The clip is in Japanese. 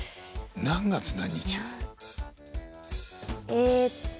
えっと。